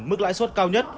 mức lãi xuất cao nhất